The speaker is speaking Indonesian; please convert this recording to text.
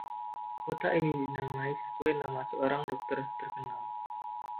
Kota ini dinamai sesuai nama seorang dokter terkenal.